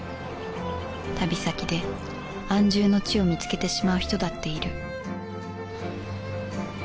旅先で安住の地を見つけてしまう人だっている